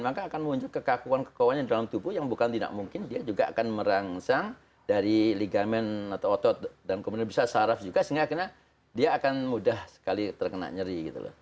maka akan muncul kekakuan kekauan yang dalam tubuh yang bukan tidak mungkin dia juga akan merangsang dari ligamen atau otot dan kemudian bisa saraf juga sehingga akhirnya dia akan mudah sekali terkena nyeri gitu loh